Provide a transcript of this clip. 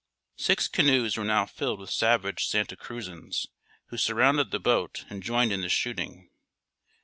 Six canoes were now filled with savage Santa Cruzans, who surrounded the boat and joined in the shooting.